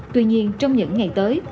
tuy nhiên trong những ngày tới